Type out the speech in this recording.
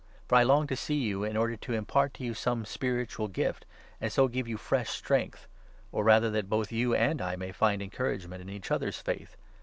For I long to see you, 1 1 in order to impart to you some spiritual gift and so give you fresh strength — or rather that both you and I may find 12 encouragement in each other's faith.